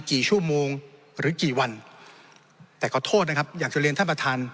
กี่ชั่วโมงหรือกี่วันแต่ขอโทษนะครับอยากจะเรียนท่านประธาน